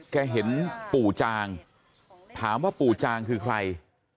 เห็นปู่จางถามว่าปู่จางคือใคร